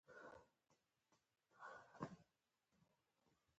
د قانون له مخې جذامي د میراث حق نه درلود.